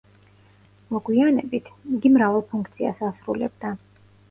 მოგვიანებით, იგი მრავალ ფუნქციას ასრულებდა.